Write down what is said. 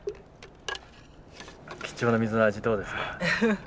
貴重な水の味どうですか？